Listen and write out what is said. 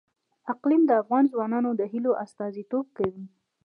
اقلیم د افغان ځوانانو د هیلو استازیتوب کوي.